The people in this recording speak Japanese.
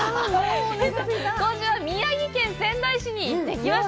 今週は宮城県仙台市に行ってきました。